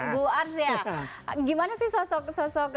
bu ars ya gimana sih sosok